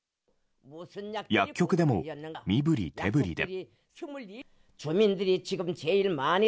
薬局でも身ぶり手ぶりで。